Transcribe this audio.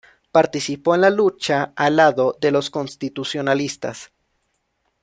Participó en la lucha al lado de los constitucionalistas.